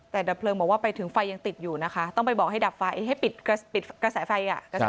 แต่ดับเพลิงบอกว่าไปถึงไฟยังติดอยู่นะคะต้องไปบอกให้ดับไฟให้ปิดกระแสไฟ